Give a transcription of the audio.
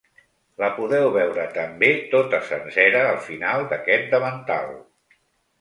La podeu veure també tota sencera al final d’aquest davantal.